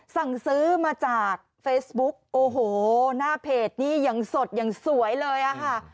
สั่งซื้อมาจากเฟซบุ๊กโอ้โหหน้าเพจนี้ยังสดอย่างสวยเลยอะค่ะ